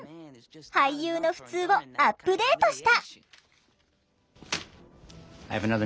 「俳優のふつう」をアップデートした！